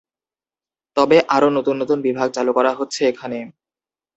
তবে আরো নতুন নতুন বিভাগ চালু করা হচ্ছে এখানে।